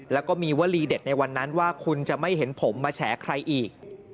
แล้วก็มีวลีเด็ดในวันนั้นว่าคุณจะไม่เห็นผมมาแฉใครอีก